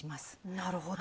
なるほど。